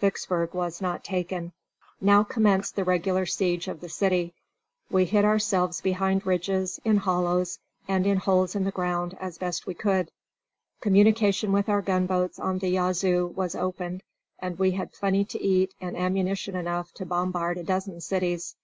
Vicksburg was not taken. Now commenced the regular siege of the city. We hid ourselves behind ridges, in hollows, and in holes in the ground, as best we could. Communication with our gunboats on the Yazoo was opened, and we had plenty to eat and ammunition enough to bombard a dozen cities.